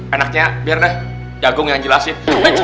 enaknya biar deh jagung yang jelasin